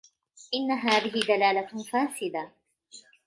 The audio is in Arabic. إنَّ هَذِهِ دَلَالَةٌ فَاسِدَةٌ